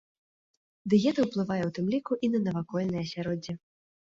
Дыета ўплывае ў тым ліку і на навакольнае асяроддзе.